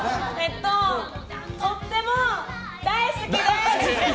とっても大好きです！